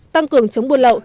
tăng cường chống buôn lậu